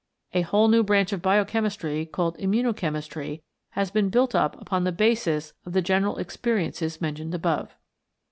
A whole new branch of biochemistry, called Immunochemistry, has been built up upon the basis of the general experiences mentioned above.